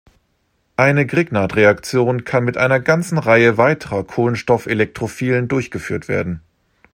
Eine Grignard-Reaktion kann mit einer ganzen Reihe weiterer Kohlenstoff-Elektrophilen durchgeführt werden.